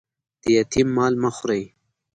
د یتيم مال مه خوري